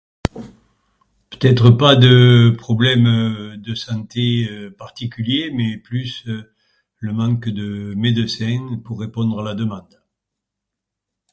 Peut-être pas de problème de santé particulier mais plus le manque de médecins pour répondre à la demande